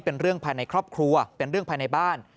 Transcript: เป็นเรื่องภายในครอบครัวเป็นเรื่องภายในบ้าน